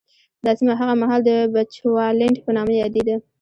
دا سیمه هغه مهال د بچوالېنډ په نامه یادېده.